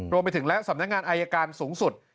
รวมไปถึงและสำนักงานอายการสูงสุด